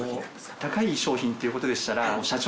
高い商品っていうことでしたら。